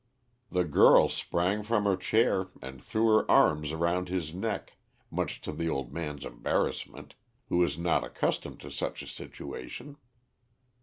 The girl sprang from her chair and threw her arms around his neck, much to the old man's embarrassment, who was not accustomed to such a situation.